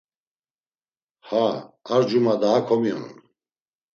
Ha, ar cuma daha komiyonun.